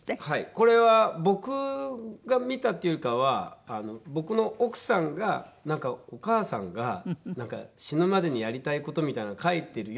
これは僕が見たっていうよりかは僕の奥さんが「お母さんが死ぬまでにやりたい事みたいなの書いてるよ」。